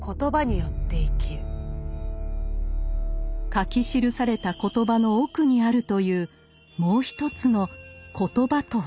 書き記された「言葉」の奥にあるというもう一つの「コトバ」とは？